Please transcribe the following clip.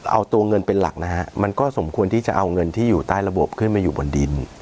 เอาตัวเงินเป็นหลักนะฮะมันก็สมควรที่จะเอาเงินที่อยู่ใต้ระบบขึ้นมาอยู่บนดิน